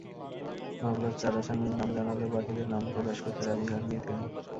মামলার চার আসামির নাম জানালেও বাকিদের নাম প্রকাশ করতে রাজি হননি তিনি।